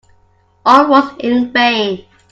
All was in vain.